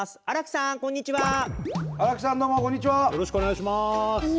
あっこんにちは。